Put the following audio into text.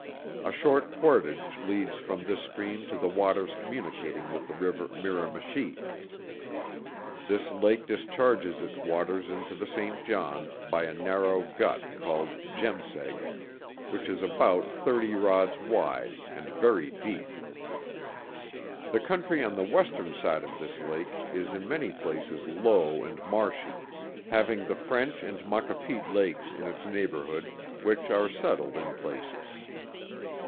A short portage leads from this stream to the waters communicating with the river Miramichi. This lake discharges its waters into the Saint John, by a narrow gut called Jemseg, which is about thirty rods wide and very deep. The country on the Western side of this lake is in many places low and marshy, having the French and Maquapit lakes in its neighborhood which are settled in places.